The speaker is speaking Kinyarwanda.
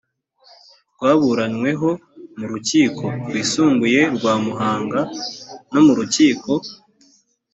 byaburanyweho mu rukiko rwisumbuye rwa muhanga no mu rukiko